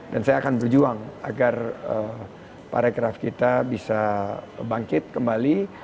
dan saya akan berjuang agar pari craft kita bisa bangkit kembali